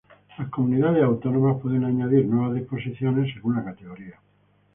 Las comunidades autónomas pueden añadir nuevas disposiciones según la categoría.